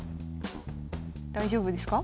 大丈夫ですか？